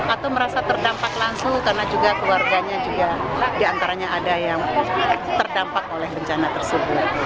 atau merasa terdampak langsung karena juga keluarganya juga diantaranya ada yang terdampak oleh bencana tersebut